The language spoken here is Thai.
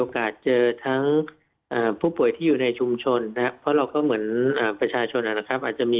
ครับสำหรับบุคลากรทางการแพทย์นี้จะพิเศษกว่านะครับ